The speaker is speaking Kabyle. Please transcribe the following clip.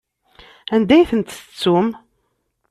Anda i tent-tettum?